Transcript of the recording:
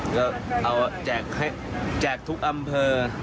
ก็เอาแจกให้แจกทุกอำเภอ